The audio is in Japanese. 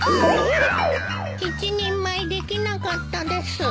一人前できなかったです。